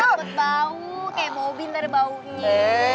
keput bau kayak mobil ntar baunya